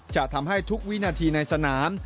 จะทำให้ทุกวินาทีในสนาม